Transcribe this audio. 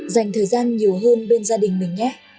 dành thời gian nhiều hơn bên gia đình mình nhé